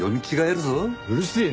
うるせえな。